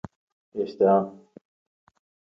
ئەمانە پانتۆڵی منن.